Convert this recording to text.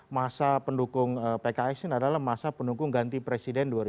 masa pendukung pks ini adalah masa pendukung ganti presiden dua ribu sembilan belas